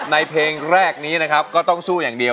เพลงแรกนี้นะครับก็ต้องสู้อย่างเดียว